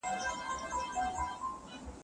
ابداليان د افغانستان د ملي هویت يوه لويه نښه ده.